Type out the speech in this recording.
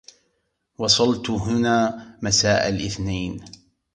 وصلت هنا مساء الإثنين.